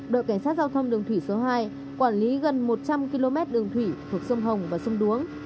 đội cảnh sát giao thông đường thủy số hai quản lý gần một trăm linh km đường thủy thuộc sông hồng và sông đuống